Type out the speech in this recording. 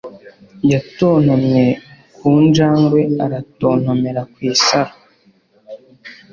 Yatontomye ku njangwe aratontomera ku isaro